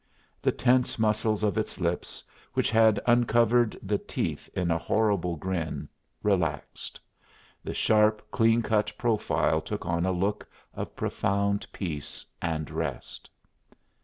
The tense muscles of its lips, which had uncovered the teeth in a horrible grin, relaxed; the sharp, clean cut profile took on a look of profound peace and rest.